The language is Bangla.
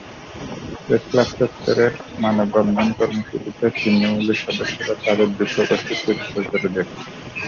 প্রেসক্লাব চত্বরের মানববন্ধন কর্মসূচিতে ছিন্নমূলের সদস্যরা তাঁদের দুঃখ-কষ্টের চিত্র তুলে ধরেন।